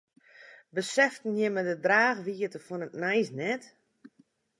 Beseften jimme de draachwiidte fan it nijs net?